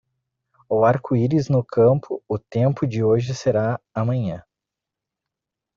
O arco-íris no campo, o tempo de hoje será amanhã.